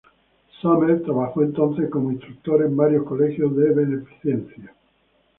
Sommer trabajó entonces como instructor en varios colegios de beneficencia.